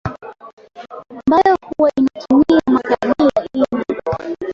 mbayo huwa inatumia makabila ili